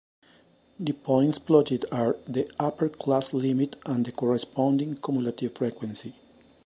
The points plotted are the upper class limit and the corresponding cumulative frequency.